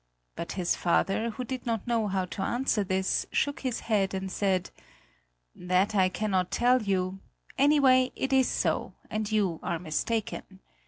But his father, who did not know how to answer this, shook his head and said: "That I cannot tell you; anyway it is so, and you are mistaken.